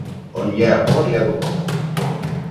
On hi ha amor hi ha dolor.